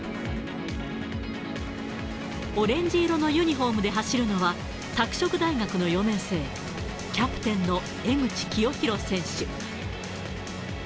オレンジ色のユニホームで走るのは、拓殖大学の４年生、キャプテンの江口清洋選手。